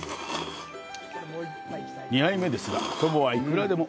２杯目ですが、そばは幾らでも。